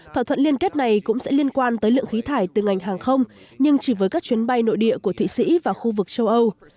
thỏa thuận liên kết này cũng sẽ liên quan tới lượng khí thải từ ngành hàng không nhưng chỉ với các chuyến bay nội địa của thụy sĩ và khu vực châu âu